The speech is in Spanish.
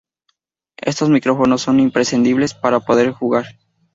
Estos micrófonos son imprescindibles para poder jugar.